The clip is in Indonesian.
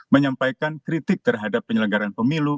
menyampaikan kritik terhadap penyelenggaran pemilu